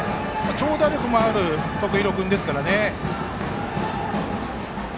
長打力もある徳弘君ですからね。